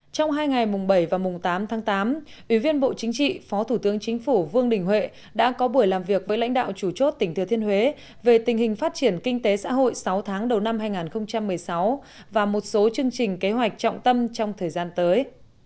trong hai ngày mùng bảy và mùng tám tháng tám ủy viên bộ chính trị phó thủ tướng chính phủ vương đình huệ đã có buổi làm việc với lãnh đạo chủ chốt tỉnh thừa thiên huế về tình hình phát triển kinh tế xã hội sáu tháng đầu năm hai nghìn một mươi sáu và một số chương trình kế hoạch trọng tâm trong thời gian tới